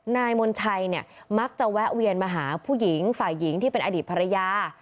นายมณชัยเนี่ยมักจะแวะเวียนมาหาผู้หญิงฝ่ายหญิงที่เป็นอดีตภรรยา